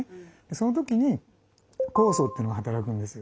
その時に酵素というのが働くんです。